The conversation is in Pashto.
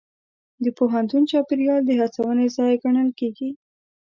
د پوهنتون چاپېریال د هڅونې ځای ګڼل کېږي.